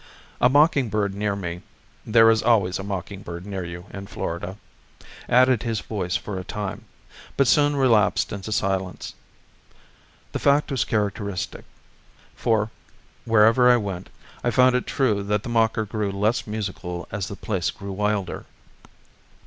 A mocking bird near me (there is always a mocking bird near you, in Florida) added his voice for a time, but soon relapsed into silence. The fact was characteristic; for, wherever I went, I found it true that the mocker grew less musical as the place grew wilder.